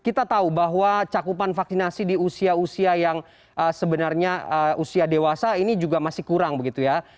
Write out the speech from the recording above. kita tahu bahwa cakupan vaksinasi di usia usia yang sebenarnya usia dewasa ini juga masih kurang begitu ya